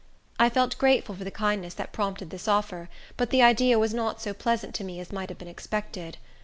I felt grateful for the kindness that prompted this offer, but the idea was not so pleasant to me as might have been expected.